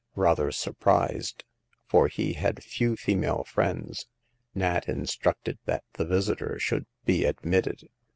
Rather surprised— for he had few female friends — Nat instructed that the visitor should be admitted.